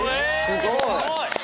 すごい！